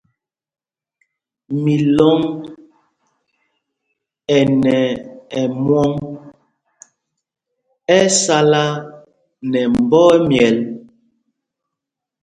Milɔŋ ɛ nɛ ɛmwɔŋ, ɛ sala nɛ mbɔ ɛmyɛl.